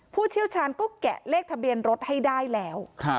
เชี่ยวชาญก็แกะเลขทะเบียนรถให้ได้แล้ว